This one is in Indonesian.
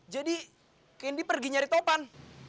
jadi candy pergi nyari topan